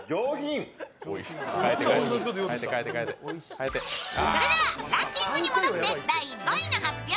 それではランキングに戻って第５位の発表。